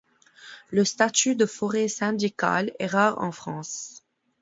Le statut de forêt syndicale est rare en France.